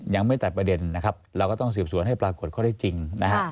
ยังไม่ตัดประเด็นนะครับเราก็ต้องสืบสวนให้ปรากฏข้อได้จริงนะฮะ